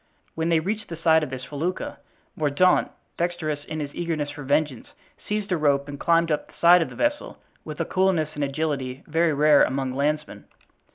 When they reached the side of this felucca, Mordaunt, dexterous in his eagerness for vengeance, seized a rope and climbed up the side of the vessel with a coolness and agility very rare among landsmen.